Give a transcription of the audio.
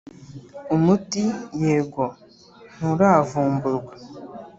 umuti yego nturavumburwa